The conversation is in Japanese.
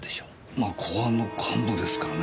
ま公安の幹部ですからね。